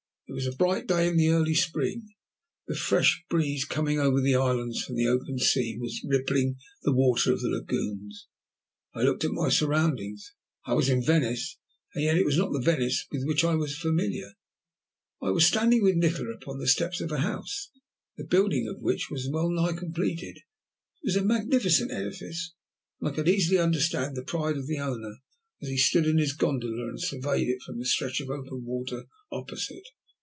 It was a bright day in the early spring, the fresh breeze coming over the islands from the open sea was rippling the water of the lagoons. I looked at my surroundings. I was in Venice, and yet it was not the Venice with which I was familiar. I was standing with Nikola upon the steps of a house, the building of which was well nigh completed. It was a magnificent edifice, and I could easily understand the pride of the owner as he stood in his gondola and surveyed it from the stretch of open water opposite.